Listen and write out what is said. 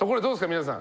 皆さん。